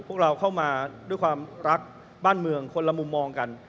พวกเราเข้ามาด้วยความรักบ้านเมืองคนละมุมมองกัน